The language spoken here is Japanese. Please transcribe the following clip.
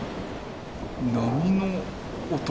波の音？